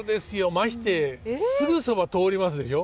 ましてすぐ側通りますでしょ。